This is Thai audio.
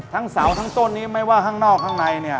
ทั้งสาวทั้งต้นนี้ไม่ว่าข้างนอกข้างใน